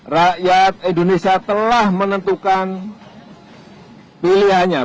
rakyat indonesia telah menentukan pilihannya